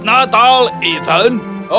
selamat natal ethan